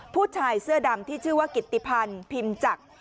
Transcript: ผู้ชายเสื้อดำที่ชื่อว่ากิตติพันธ์พิมจักร